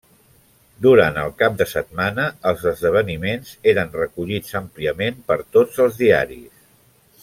Durant el cap de setmana, els esdeveniments eren recollits àmpliament per tots els diaris.